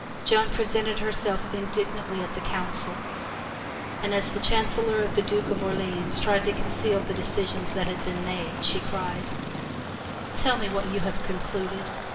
Joan presented, herself indignantly at the council, and as the chancellor of the Duke of Orleans tried to conceal the decisions which had been made, she cried, "Tell me what you have concluded.